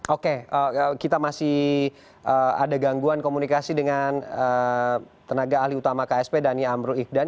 oke kita masih ada gangguan komunikasi dengan tenaga ahli utama ksp dhani amrul ikhdan